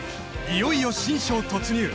いよいよ新章突入！